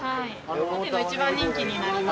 当店の一番人気になります。